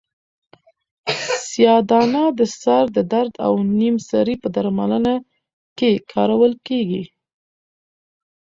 سیاه دانه د سر د درد او نیم سری په درملنه کې کارول کیږي.